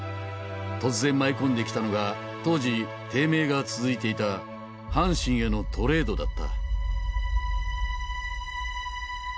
突然舞い込んできたのが当時低迷が続いていた阪神へのトレードだった。